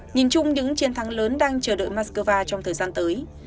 nhìn chung những chiến thắng lớn đang chờ đợi moscow trong thời gian tới